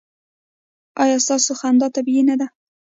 ایا ستاسو خندا طبیعي نه ده؟